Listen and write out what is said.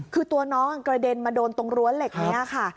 คือตัวน้องกระเด็นมาโดนตรงรั้วเหล็กนี้ค่ะ